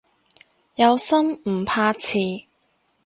有心唔怕遲